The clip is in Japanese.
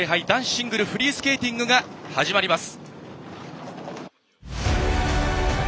シングルフリースケーティングが始まります。